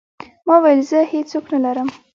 ما وويل زه هېڅ څوک نه لرم.